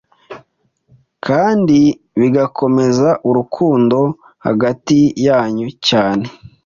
kandi bigakomeza urukundo hagati yanyu cyane.